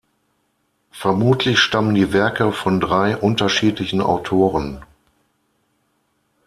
Vermutlich stammen die Werke von drei unterschiedlichen Autoren.